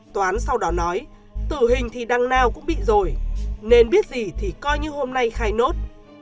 toán sau đó nói tử hình thì đằng nào cũng bị rồi nên biết gì thì coi như hôm nay khai nốt